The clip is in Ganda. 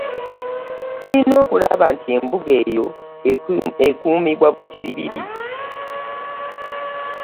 Mulina okulaba nti embuga eyo ekuumibwa butiribiri